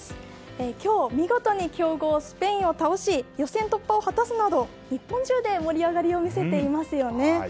今日、見事に強豪スペインを倒し予選突破を果たすなど日本中で盛り上がりを見せていますよね。